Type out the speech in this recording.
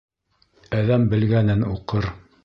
Әҙәм белгәнен уҡыр